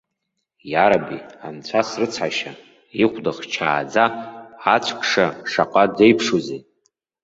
Иараби, анцәа срыцҳашьа, ихәда хчааӡа, ацә кша шаҟа деиԥшузеи!